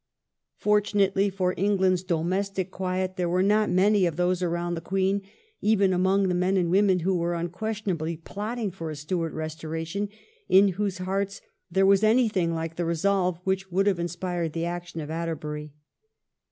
Fortunately for England's domestic quiet there were not many of those around the Queen, even among the men and women who were unquestionably plotting for a Stuart restoration, in whose hearts there was anything like the resolve which would have inspired the action of Atterbury.